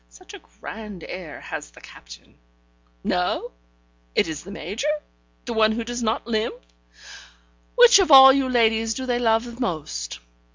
Such a grand air has the Captain no, it is the Major, the one who does not limp. Which of all you ladies do they love most?